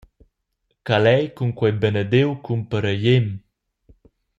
Calei cun quei benediu cumparegliem.